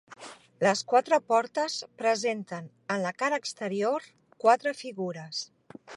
Les quatre portes presenten en la cara exterior quatre figures.